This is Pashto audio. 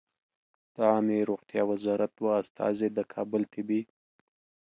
د عامې روغتیا وزارت دوه استازي د کابل طبي